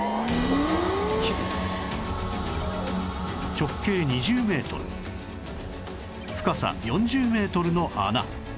直径２０メートル深さ４０メートルの穴